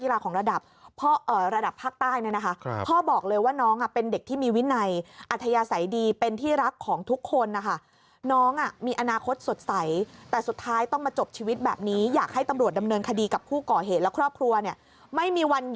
แล้วก็นักกีฬาของระดับภาคใต้